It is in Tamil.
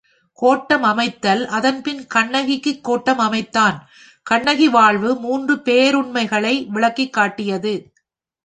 கோட்டம் அமைத்தல் அதன் பின் கண்ணகிக்குக் கோட்டம் அமைத்தான் கண்ணகி வாழ்வு மூன்று பேருண்மைகளை விளக்கிக் காட்டியது.